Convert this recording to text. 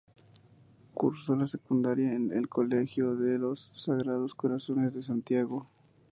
Cursó la secundaria en el Colegio de los Sagrados Corazones de Santiago.